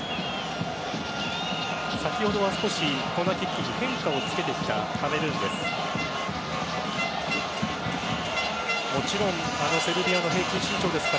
先ほどは少しコーナーキックに変化をつけてきたカメルーンです。